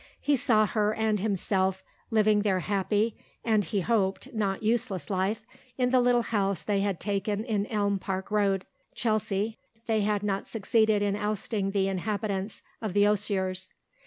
He saw her and himself living their happy, and, he hoped, not useless life, in the little house they had taken in Elm Park Road, Chelsea (they had not succeeded in ousting the inhabitants of the Osiers).